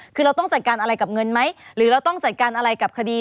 คือเราต้องจัดการอะไรกับเงินไหมหรือเราต้องจัดการอะไรกับคดี